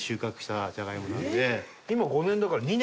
今５年だから２年？